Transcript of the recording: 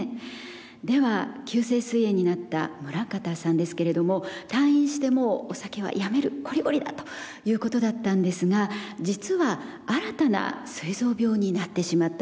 では急性すい炎になった村方さんですけれども退院してもうお酒はやめるこりごりだということだったんですが実は新たなすい臓病になってしまったんです。